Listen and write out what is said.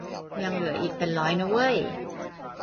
ยังเหลืออีกเป็นร้อยนะเว้ย